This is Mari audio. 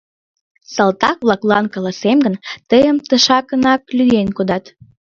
Салтак-влаклан каласем гын, тыйым тышакынак лӱен кодат...